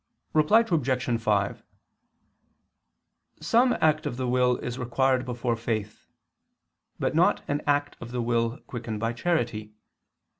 Reply Obj. 5: Some act of the will is required before faith, but not an act of the will quickened by charity.